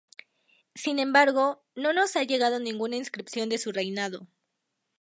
Sin embargo, no nos ha llegado ninguna inscripción de su reinado.